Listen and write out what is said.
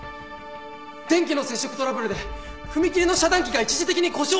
電気の接触トラブルで踏切の遮断機が一時的に故障してたんです。